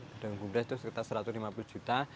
pedagang bumdes itu sekitar satu ratus lima puluh juta